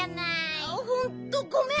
ほんとごめん！